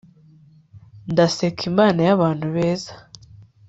Ndaseka Imana yabantu beza